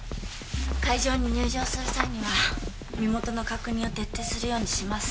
会場に入場する際には身元の確認を徹底するようにします